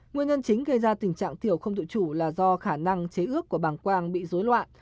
nguyên nhân chính gây ra tình trạng thiểu không tự chủ là do khả năng chế ước của bàng quang bị dối loạn